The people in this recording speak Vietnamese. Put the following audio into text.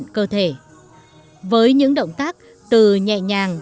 nhưng tôi nghĩ chúng ta rất giống nhau